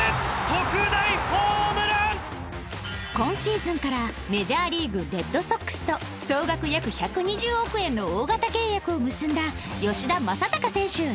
今シーズンからメジャーリーグレッドソックスと総額約１２０億円の大型契約を結んだ吉田正尚選手よね